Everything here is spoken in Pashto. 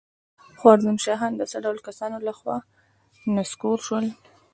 خوارزم شاهان د څه ډول کسانو له خوا نسکور شول؟